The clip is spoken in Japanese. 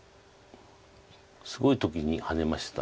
すごい時にハネました。